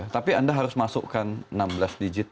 tapi anda harus masukkan enam belas digit